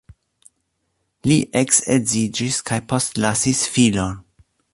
Li eksedziĝis kaj postlasis filon.